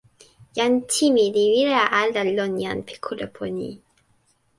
jan Timi li wile ala lon jan pi kulupu ni.